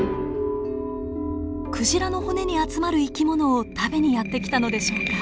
クジラの骨に集まる生き物を食べにやって来たのでしょうか？